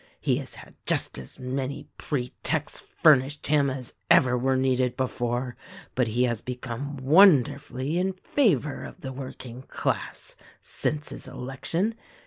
He has had just as many pretexts furnished him as ever were needed before, but he has be come wonderfully in favor of the working class since his election.